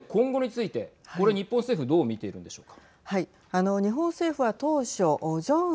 キム体制の今後についてこれ日本政府どう見ているんでしょうか。